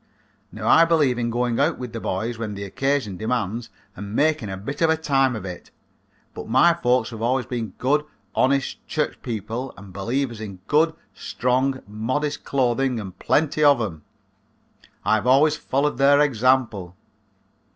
Now I believe in going out with the boys when the occasion demands and making a bit of a time of it, but my folks have always been good, honest church people and believers in good, strong, modest clothing and plenty of 'em. I have always followed their example."